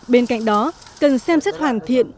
bên cạnh đó cần xem xét hoàn thiện